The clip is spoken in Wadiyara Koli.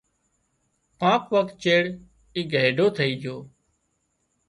ڪانڪ وکت چيڙ اي گئيڍو ٿئي جھو